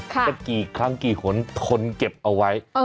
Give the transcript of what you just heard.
จะกี่ครั้งกี่หนทนเก็บเอาไว้